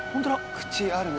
口あるね。